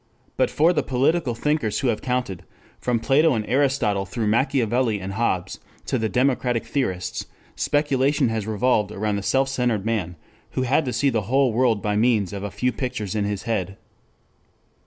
But for the political thinkers who have counted, from Plato and Aristotle through Machiavelli and Hobbes to the democratic theorists, speculation has revolved around the self centered man who had to see the whole world by means of a few pictures in his head.